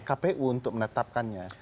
kalau proses pkpu untuk menetapkannya